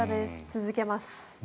続けます。